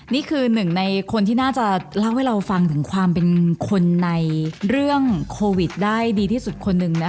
นี่คือหนึ่งในคนที่น่าจะเล่าให้เราฟังถึงความเป็นคนในเรื่องโควิดได้ดีที่สุดคนหนึ่งนะคะ